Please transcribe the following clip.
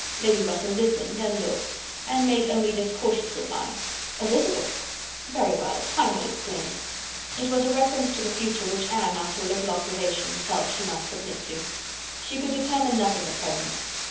Lady Russell listened, and looked, and made only this cautious reply:—"Elizabeth! very well; time will explain." It was a reference to the future, which Anne, after a little observation, felt she must submit to. She could determine nothing at present.